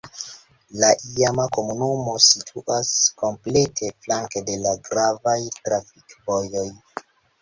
La iama komunumo situas komplete flanke de la gravaj trafikvojoj.